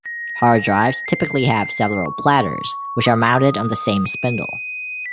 Hard drives typically have several platters which are mounted on the same spindle.